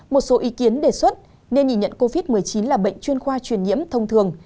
một số ý kiến đề xuất nên nhìn nhận covid một mươi chín là bệnh chuyên khoa truyền nhiễm thông thường